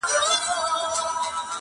o هغه ساعت، هغه مصلحت٫